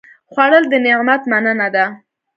خوړل د نعمت مننه ده